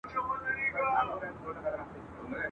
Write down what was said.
شرنګاشرنګ د پایزېبونو هر ګودر یې غزلخوان دی ..